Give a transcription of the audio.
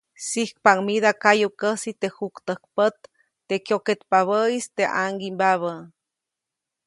Sijkpaʼuŋ mida kayukäsi teʼ juktäjkpät, teʼ kyoketpabäʼis teʼ ʼaŋgiʼmbabä.